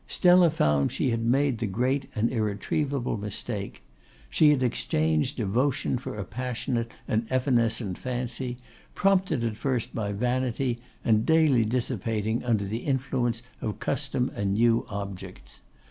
Stella found she had made the great and irretrievable mistake. She had exchanged devotion for a passionate and evanescent fancy, prompted at first by vanity, and daily dissipating under the influence of custom and new objects.